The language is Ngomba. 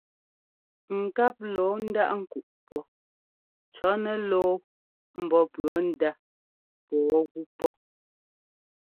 Ŋkáp lɔɔ ndáꞌ kúꞌ pɔ́ cɔ̌ nɛ lɔɔ mbɔ́ pʉɔ ndá pɔɔ gú pɔ́.